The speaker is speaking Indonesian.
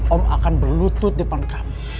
om akan berlutut depan kami